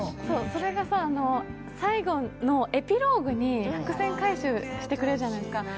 それがさ、最後のエピローグに伏線回収してくれるじゃないですか。